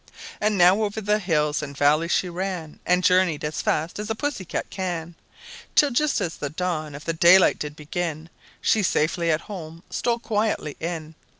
And now over hills and valleys she ran, And journeyed as fast as a Pussy cat can; Till just as the dawn of the day did begin She, safely at home, stole quietly in.